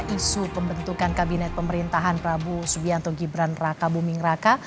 isu pembentukan kabinet pemerintahan prabowo subianto gibran raka buming raka